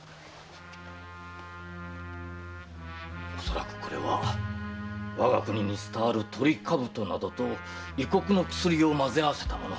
恐らくこれは我が国に伝わるトリカブトなどと異国の薬を混ぜ合わせたもの。